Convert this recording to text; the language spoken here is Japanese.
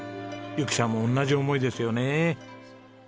由紀さんも同じ思いですよね。